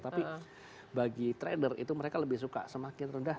tapi bagi trader itu mereka lebih suka semakin rendah